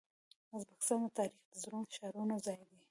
ازبکستان د تاریخ د زرو ښارونو ځای دی.